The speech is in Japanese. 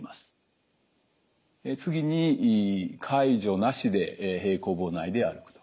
次に介助なしで平行棒内で歩くと。